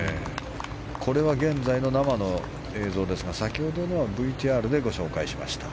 これは現在の生の映像ですが先ほどのはＶＴＲでご紹介しました。